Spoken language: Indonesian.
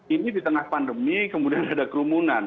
ini di tengah pandemi kemudian ada kerumunan